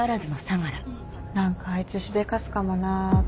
何かあいつしでかすかもなぁ。